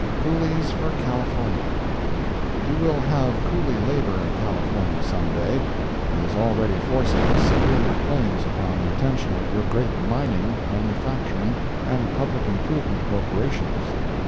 COOLIES FOR CALIFORNIA You will have Coolie labor in California some day. It is already forcing its superior claims upon the attention of your great mining, manufacturing and public improvement corporations.